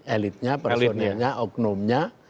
elitnya personelnya oknumnya